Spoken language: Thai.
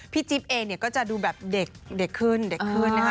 พี่จิ๊บเองเนี่ยก็จะดูแบบเด็กขึ้นนะคะ